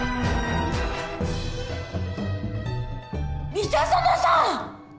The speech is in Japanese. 三田園さん！